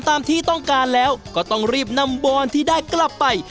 ตามที่ต้องการแล้วก็ต้องรีบนำบอนที่ได้กลับไป